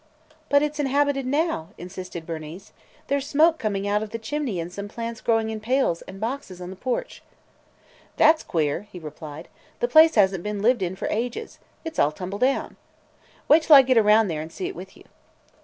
"But it 's inhabited now!" insisted Bernice. "There 's smoke coming out of the chimney and some plants growing in pails and boxes on the porch." "That 's queer!" he replied "The place has n't been lived in for ages. It 's all tumble down. Wait till I get around there and see it with you."